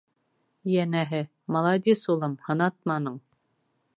Йәнәһе, «Маладис, улым, һынатманың».